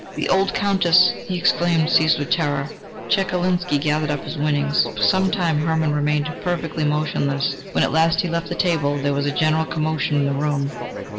"The old Countess!" he exclaimed, seized with terror. Chekalinsky gathered up his winnings. For some time, Hermann remained perfectly motionless. When at last he left the table, there was a general commotion in the room.